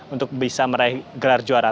untuk bisa meraih gelar juara